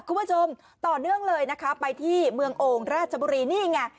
คุณผู้ชมต่อเนื่องเลยนะคะไปที่เมืองโอ่งราชบุรีนี่ไง